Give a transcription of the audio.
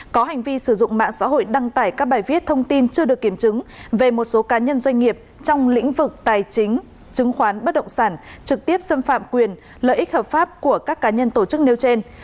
có hành vi sử dụng mạng xã hội đăng tải các bài viết thông tin chưa được kiểm chứng về một số cá nhân doanh nghiệp trong lĩnh vực tài chính chứng khoán bất động sản trực tiếp xâm phạm quyền lợi ích hợp pháp của các cá nhân tổ chức nêu trên